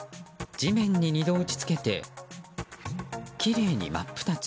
地面に２度打ち付けてきれいに真っ二つ。